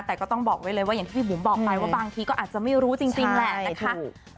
แต่ก็ต้องบอกไว้เลยว่าอย่างที่พี่บุ๋มบอกไปว่าบางทีก็อาจจะไม่รู้จริงแหละนะคะ